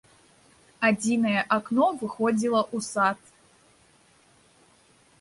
Адзінае акно выходзіла ў сад.